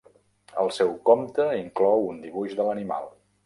El seu compte inclou un dibuix de l'animal.